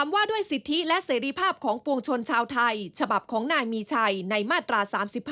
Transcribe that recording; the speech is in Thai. ว่าด้วยสิทธิและเสรีภาพของปวงชนชาวไทยฉบับของนายมีชัยในมาตรา๓๕